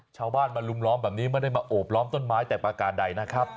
ชาวบ้านมาลุมล้อมแบบนี้ไม่ได้มาโอบล้อมต้นไม้แต่ประการใดนะครับ